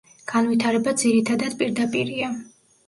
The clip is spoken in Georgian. განვითარება ძირითადად პირდაპირია.